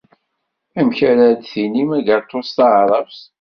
Amek ara d-tinim agatu s taɛṛabt?